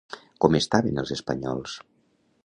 Com estaven els espanyols?